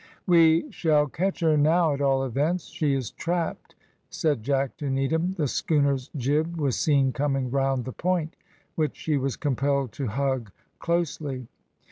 "We shall catch her now, at all events she is trapped," said Jack to Needham. The schooner's jib was seen coming round the point, which she was compelled to hug closely.